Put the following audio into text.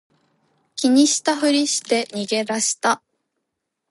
気にしたふりして逃げ出した